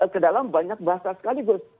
ke dalam banyak bahasa sekaligus